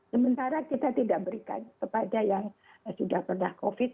sementara kita tidak berikan kepada yang sudah pernah covid